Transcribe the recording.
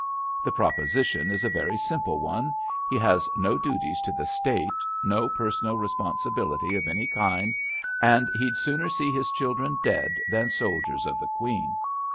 The proposition is a very simple one. He has no duties to the State, no personal responsibility of any kind, and he'd sooner see his children dead than soldiers of the Queen.